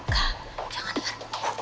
kak jangan dengar